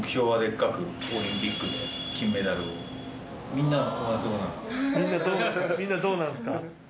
みんなはどうなんですか？